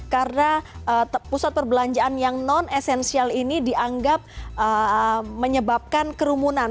karena pusat perbelanjaan yang non esensial ini dianggap menyebabkan kerumunan